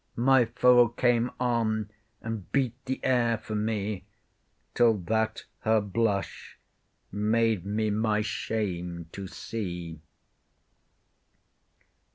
My foe came on, and beat the air for me— Till that her blush made me my shame to see.